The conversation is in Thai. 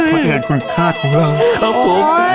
มาเจอนคุณค่าของเราครับผม